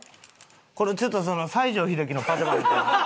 これちょっと西城秀樹のパジャマみたいな。